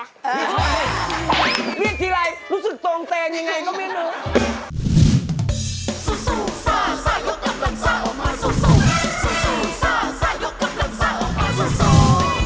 เรียกทีไรรู้สึกตรงเตงยังไงก็ไม่รู้